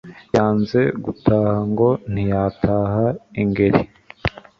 yanze gutaha ngo ntiyataha i ngeli